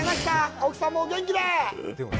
奥さんもお元気で。